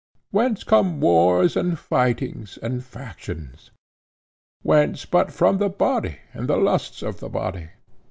Whence come wars, and fightings, and factions? whence but from the body and the lusts of the body?